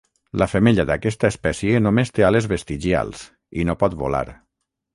La femella d'aquesta espècie només té ales vestigials i no pot volar.